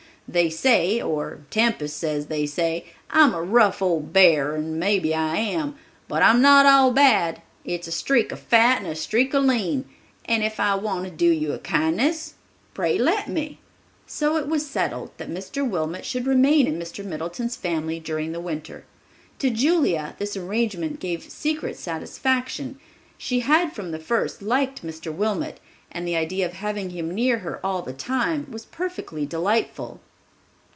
They say, or Tempest says they say, I'm a rough old bear, and maybe I am; but I'm not all bad; it's a streak o' fat and a streak o' lean; and if I want to do you a kindness, pray let me." So it was settled that Mr. Wilmot should remain in Mr. Middleton's family during the winter. To Julia this arrangement gave secret satisfaction. She had from the first liked Mr. Wilmot, and the idea of having him near her all the time was perfectly delightful.